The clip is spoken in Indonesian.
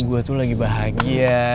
gue tuh lagi bahagia